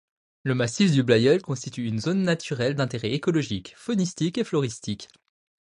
Le massif du Blayeul constitue une Zone naturelle d'intérêt écologique, faunistique et floristique.